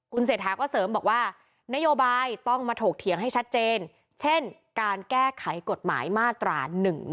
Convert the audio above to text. เศรษฐาก็เสริมบอกว่านโยบายต้องมาถกเถียงให้ชัดเจนเช่นการแก้ไขกฎหมายมาตรา๑๑๒